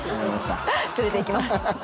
連れて行きます。